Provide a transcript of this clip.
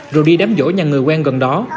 rồi đi đám vỗ nhà người quen gần đó